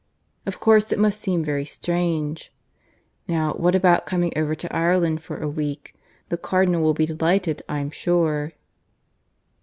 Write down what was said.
Of course it must seem very strange. ... Now what about coming over to Ireland for a week? The Cardinal will be delighted, I'm sure."